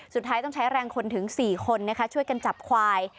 สุดท้ายต้องใช้แรงคนถึง๔คนช่วยกันจับควาย